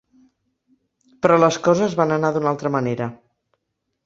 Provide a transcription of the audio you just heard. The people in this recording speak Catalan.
Però les coses van anar d'una altra manera.